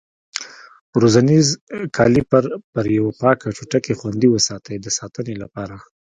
ورنیز کالیپر پر یوه پاکه ټوټه کې خوندي وساتئ د ساتنې لپاره.